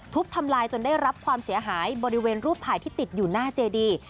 ทำลายจนได้รับความเสียหายบริเวณรูปถ่ายที่ติดอยู่หน้าเจดี